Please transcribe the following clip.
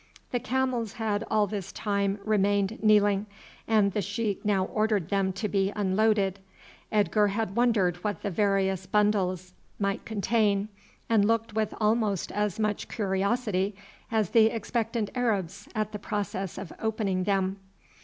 The camels had all this time remained kneeling, and the sheik now ordered them to be unloaded. Edgar had wondered what the various bundles might contain, and looked with almost as much curiosity as the expectant Arabs at the process of opening them.